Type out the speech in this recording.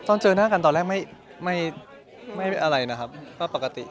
เจอหน้ากันตอนแรกไม่อะไรนะครับก็ปกติ